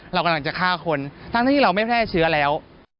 เรากำลังจะฆ่าคนทั้งที่เราไม่แพร่เชื้อแล้ว